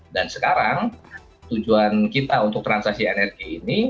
dan sekarang tujuan kita untuk transisi energi ini